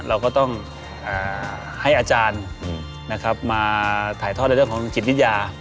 เราก็ต้องให้อาจารย์มาถ่ายทอดในเรื่องของจิตวิทยา